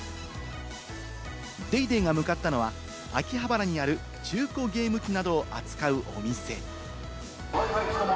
『ＤａｙＤａｙ．』が向かったのは、秋葉原にある中古ゲーム機などを扱うお店。